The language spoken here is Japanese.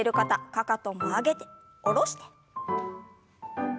かかとも上げて下ろして。